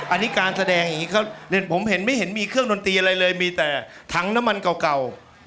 อันนี้การแสดงอย่างนี้ผมเห็นไม่เห็นมีเครื่องดนตรีอะไรเลยมีแต่ถังน้ำมันเก่า